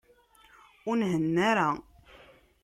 Ur nhenna ara.